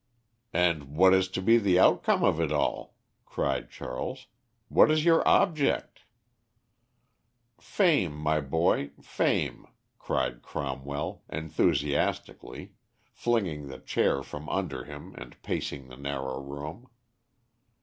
"And what is to be the outcome of it all?" cried Charles. "What is your object?" "Fame, my boy, fame," cried Cromwell, enthusiastically, flinging the chair from under him and pacing the narrow room.